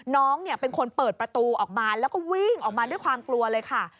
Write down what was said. น้องเป็นคนเปิดประตูออกมาแล้วก็วิ่งออกมาด้วยความกลัวเลยค่ะ